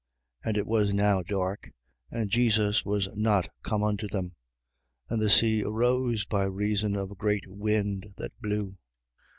And it was now dark: and Jesus was not come unto them. 6:18. And the sea arose, by reason of a great wind that blew.